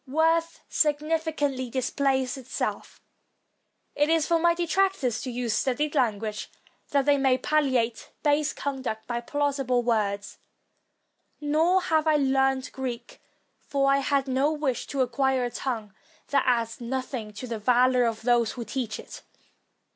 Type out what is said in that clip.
Worth sufficiently displays itself; it is for my detractors to use studied language, that they may palliate base conduct by plau sible words. Nor have I learned Greek; for I had no wish to acquire a tongue that adds nothing to the valor of those who teach it.